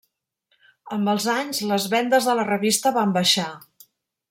Amb els anys les vendes de la revista van baixar.